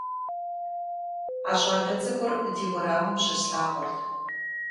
А щӀалэ цӀыкӀур ди уэрамым щыслъагъурт.